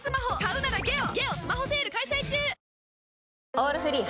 「オールフリー」